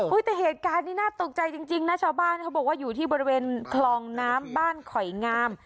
แต่เหตุการณ์นี้น่าตกใจจริงนะชาวบ้านเขาบอกว่าอยู่ที่บริเวณคลองน้ำบ้านขอยงาม